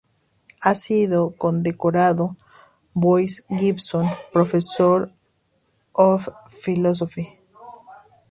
Ha sido condecorado Boyce Gibson Professor of Philosophy.